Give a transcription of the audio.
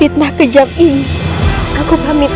ibu nang akan selamatkan ibu